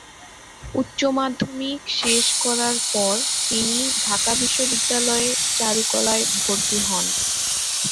উচ্চমাধ্যমিক শেষ করার পর তিনি ঢাকা বিশ্ববিদ্যালয়ে চারুকলায় ভর্তি হন।